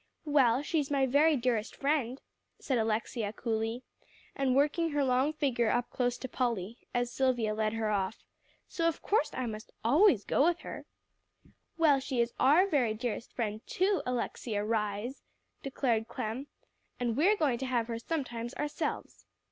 "Well, she's my very dearest friend," said Alexia coolly, and working her long figure up close to Polly, as Silvia led her off, "so of course I always must go with her." "Well, so she is our very dearest friend, too, Alexia Rhys," declared Clem, "and we're going to have her sometimes, ourselves."